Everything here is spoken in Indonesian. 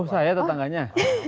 oh saya tetangganya